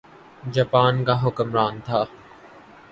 Japan کا حکمران تھا۔